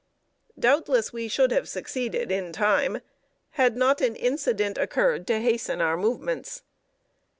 Doubtless we should have succeeded in time, had not an incident occurred to hasten our movements.